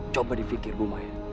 coba di pikir bumaya